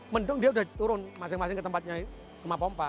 mendung dia sudah turun masing masing ke tempatnya rumah pompa